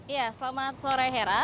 ya selamat sore hera